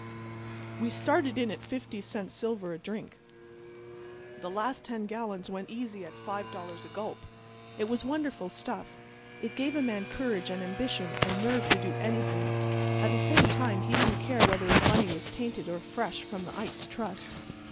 We started in at 50 cents silver a drink. The last ten gallons went easy at $5 a gulp. It was wonderful stuff. It gave a man courage and ambition and nerve to do anything; at the same time he didn't care whether his money was tainted or fresh from the Ice Trust.